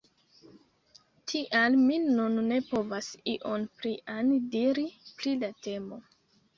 Tial mi nun ne povas ion plian diri pri la temo.